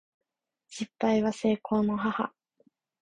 失敗は成功の母